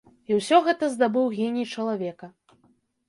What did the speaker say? І ўсё гэта здабыў геній чалавека.